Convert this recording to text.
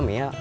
g jadi kan